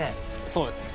そうですね。